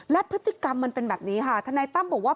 และพฤติกรรมมันเป็นแบบนี้ค่ะทนายตั้มบอกว่า